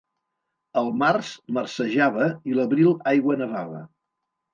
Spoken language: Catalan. El març marcejava i l'abril aigua nevava.